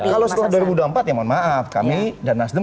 kalau setelah dua ribu dua puluh empat ya mohon maaf kami dan nasdem